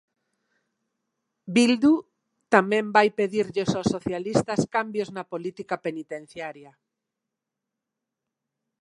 Bildu tamén vai pedirlles aos socialistas cambios na política penitenciaria.